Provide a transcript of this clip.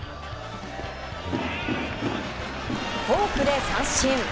フォークで三振。